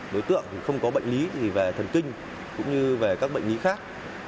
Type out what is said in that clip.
đối tượng không có bệnh lý thì về thần kinh cũng như về các bệnh lý khác